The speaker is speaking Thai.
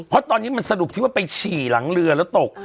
เพราะตอนนี้มันสรุปที่ว่าไปฉี่หลังเรือแล้วตก